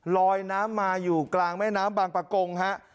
ลอยน้ำมาอยู่กลางแม่น้ำบางประกงฮะ